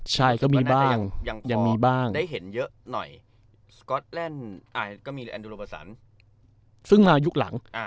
ใช่ก็มีบ้างยังมีบ้างได้เห็นเยอะหน่อยสก๊อตแลนด์ก็มีแอนดูโรเบอร์สันซึ่งมายุคหลัง